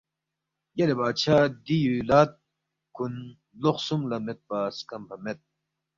یلے بادشاہ دِی یُولاد کُن لو خسُوم لہ میدپا سکمفا مید